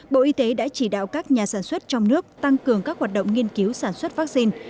bộ y tế đã chỉ đạo các nhà sản xuất trong nước tăng cường các hoạt động nghiên cứu sản xuất vaccine